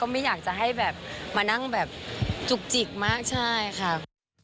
ไม่อยากจะให้แบบมานั่งแบบจุกจิกมากใช่ค่ะ